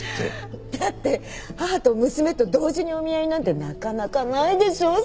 だって母と娘と同時にお見合いなんてなかなかないでしょう。